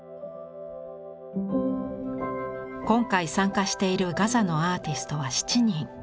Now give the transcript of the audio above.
今回参加しているガザのアーティストは７人。